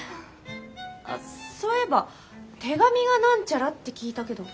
あっそういえば手紙がなんちゃらって聞いたけど。